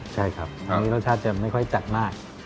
ใช่ครับอันนี้รสชาติจะไม่ค่อยจัดมาก